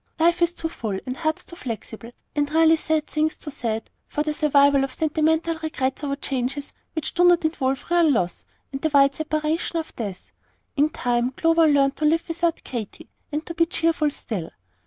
Life is too full, and hearts too flexible, and really sad things too sad, for the survival of sentimental regrets over changes which do not involve real loss and the wide separation of death. In time, Clover learned to live without Katy, and to be cheerful still.